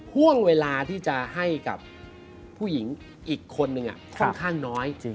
ห่วงเวลาที่จะให้กับผู้หญิงอีกคนนึงค่อนข้างน้อย